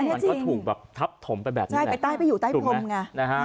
มันก็ถูกแบบทับถมไปแบบนี้แหละ